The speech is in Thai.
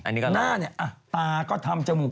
อันนี้ก็เหรอหน้าเนี่ยตาก็ทำจมูก